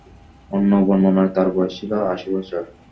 অন্য বর্ণনায় তাঁর বয়স ছিল আশি বছর।